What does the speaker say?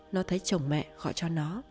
nó thấy chồng mẹ gọi cho nó